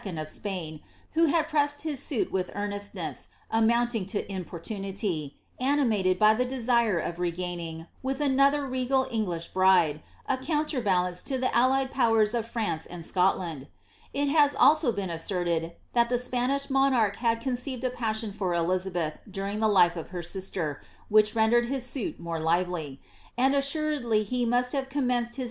of Spain, who had pressed his suit with earnestness, amount* ing to importunity, animated by the desire of regaining, with another regal English bride, a counterbalance to the aliieil powers of France and Scotland. It has also been asserted, that the Spanish monarch had conceived a passion for Elizabeth during the life of her sister, which rendered his suit more lively ; and assuredly he must have commenced ' 7'JiJm wan a repetition, with variation, of the same action which queen Mai^ ysi/ prfvhuely practised.